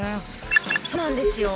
そうなんですよ。